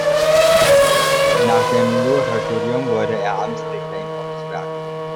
Nach dem Jurastudium wurde er Amtsrichter in Boxberg.